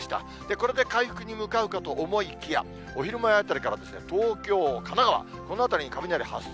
これで回復に向かうかと思いきや、お昼前あたりから東京、神奈川、この辺りに雷発生。